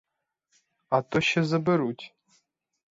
А то ще заберуть.